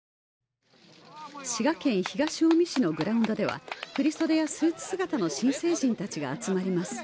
滋賀県東近江市のグラウンドでは振り袖やスーツ姿の新成人たちが集まります。